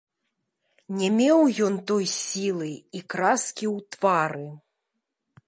Не меў ён той сілы і краскі ў твары.